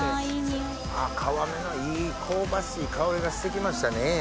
皮目のいい香ばしい香りがして来ましたね。